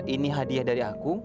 ini hadiah dari aku